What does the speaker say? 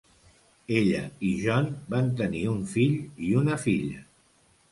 Ella i John van tenir un fill i una filla.